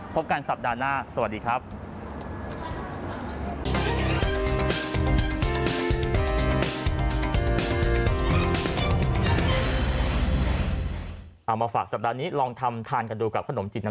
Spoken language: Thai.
พบกันสัปดาห์หน้าสวัสดีครับ